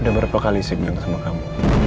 udah berapa kali sedih sama kamu